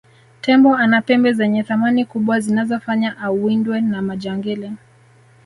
tembo ana pembe zenye thamani kubwa zinazofanya awindwe na majangili